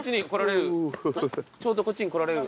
ちょうどこっちに来られる。